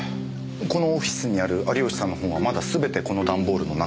このオフィスにある有吉さんの本はまだすべてこのダンボールの中。